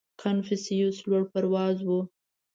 • کنفوسیوس لوړ پروازه و.